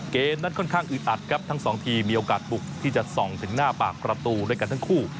เกมนั้นค่อนข้างอึดอัดครับทั้งสองทีมมีโอกาสบุกที่จะส่องถึงหน้าปากประตูด้วยกันทั้งคู่